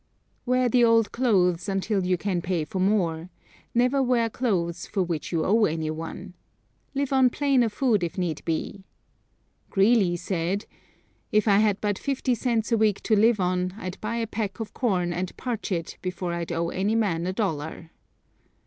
Wear the old clothes until you can pay for more; never wear clothes for which you owe anyone. Live on plainer food if need be. Greeley said: "If I had but fifty cents a week to live on, I'd buy a peck of corn and parch it before I'd owe any man a dollar."